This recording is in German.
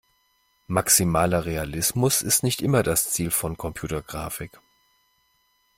Maximaler Realismus ist nicht immer das Ziel von Computergrafik.